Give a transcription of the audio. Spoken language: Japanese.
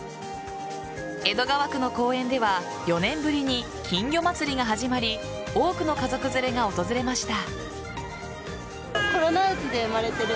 江戸川区の公園では４年ぶりに金魚まつりが始まり多くの家族連れが訪れました。